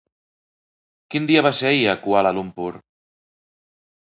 Quin dia va ser ahir a Kuala Lumpur?